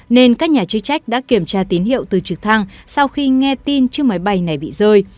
nên các nhà chức trách đã kiểm tra tín hiệu từ trực thăng sau khi nghe tin chiếc máy bay này bị rơi